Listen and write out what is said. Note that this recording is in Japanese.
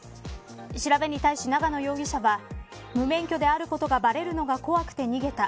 調べに対し永野容疑者は無免許であることがばれるのが怖くて逃げた。